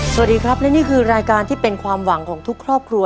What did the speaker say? สวัสดีครับและนี่คือรายการที่เป็นความหวังของทุกครอบครัว